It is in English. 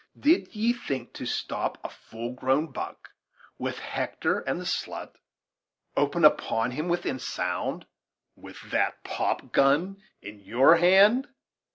Did ye think to stop a full grown buck, with Hector and the slut open upon him within sound, with that pop gun in your hand!